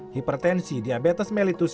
hipertensi diabetes melitus